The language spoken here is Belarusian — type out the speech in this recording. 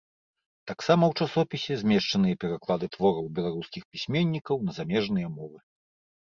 Таксама ў часопісе змешчаныя пераклады твораў беларускіх пісьменнікаў на замежныя мовы.